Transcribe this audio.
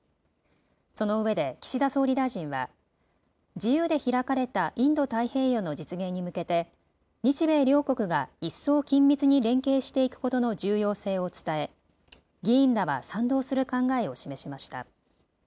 そのうえで岸田総理大臣は自由で開かれたインド太平洋の実現に向けて日米両国が一層緊密に連携していくことの重要性を伝え議員らは賛同する考えを示しました。